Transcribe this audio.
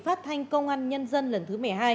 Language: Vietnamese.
phát thanh công an nhân dân lần thứ một mươi hai